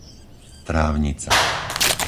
Trávnica